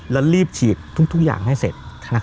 แล้วรีบฉีดทุกอย่างให้เสร็จ